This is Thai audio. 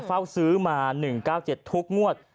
เฝ้าซื้อมา๑๙๗ทุกงวด